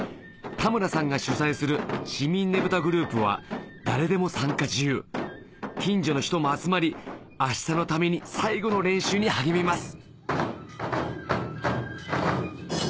田村さんが主宰する市民ねぶたグループは誰でも参加自由近所の人も集まり明日のために最後の練習に励みます